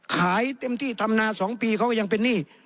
ขายเต็มที่ทำนาสองปีเขายังเป็นนี่